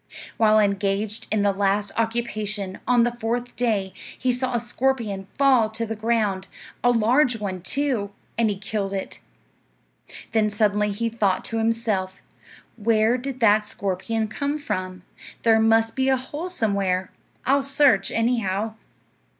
While engaged in the last occupation, on the fourth day, he saw a scorpion fall to the ground a large one, too and he killed it. Then suddenly he thought to himself, "Where did that scorpion come from? There must be a hole somewhere. I'll search, anyhow."